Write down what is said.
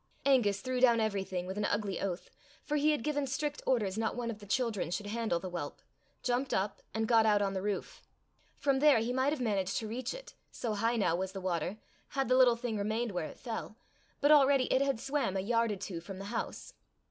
Angus threw down everything with an ugly oath, for he had given strict orders not one of the children should handle the whelp, jumped up, and got out on the roof. From there he might have managed to reach it, so high now was the water, had the little thing remained where it fell, but already it had swam a yard or two from the house.